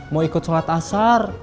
mau ikut sholat asar